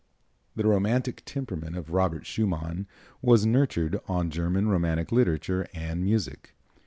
The romantic temperament of Robert Schumann was nurtured on German romantic literature and music.